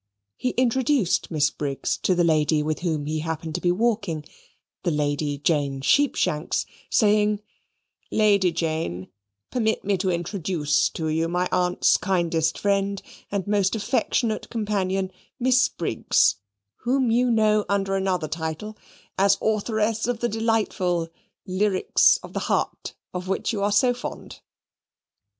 He introduced Miss Briggs to the lady with whom he happened to be walking, the Lady Jane Sheepshanks, saying, "Lady Jane, permit me to introduce to you my aunt's kindest friend and most affectionate companion, Miss Briggs, whom you know under another title, as authoress of the delightful 'Lyrics of the Heart,' of which you are so fond."